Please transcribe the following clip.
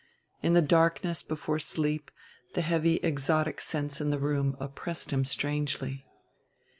In the darkness before sleep the heavy exotic scents in the room oppressed him strangely.